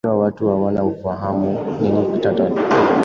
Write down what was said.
Ikiwa watu hawana ufahamu nini kinatarajiwa kutoka kwao